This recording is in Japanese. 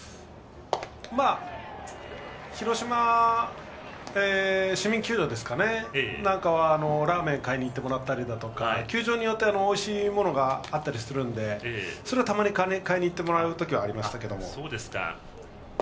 広島市民球場なんかではラーメン買いに行ってもらったり球場によってはおいしいものがあったりするのでそれはたまに買いに行ってもらうことはありましたね。